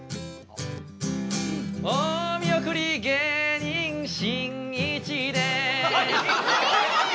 お見送り芸人しんいちですいい！